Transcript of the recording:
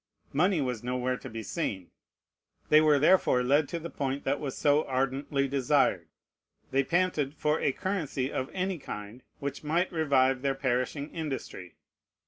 Money was nowhere to be seen. They were therefore led to the point that was so ardently desired. They panted for a currency of any kind which might revive their perishing industry.